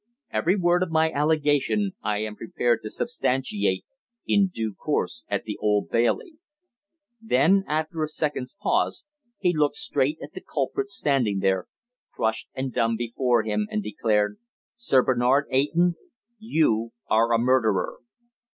Every word of my allegation I am prepared to substantiate in due course at the Old Bailey." Then, after a second's pause, he looked straight at the culprit standing there, crushed and dumb before him, and declared: "Sir Bernard Eyton, you are a murderer!"